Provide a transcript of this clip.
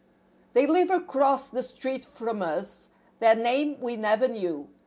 LIVE ACROSS the street from us; their name we never knew.